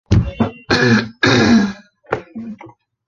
张贵战败被杀。